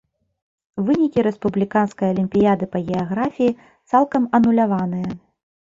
Вынікі рэспубліканскай алімпіяды па геаграфіі цалкам ануляваныя.